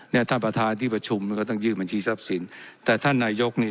เนี่ยท่านประธานที่ประชุมมันก็ต้องยื่นบัญชีทรัพย์สินแต่ท่านนายกนี่